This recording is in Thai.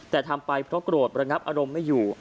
แต่ทำไปเพราะโกรธระงับอารมณ์ไม่อยู่